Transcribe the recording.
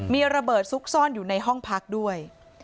มีระเบิดซุกซ่อนอยู่ในห้องพักด้วย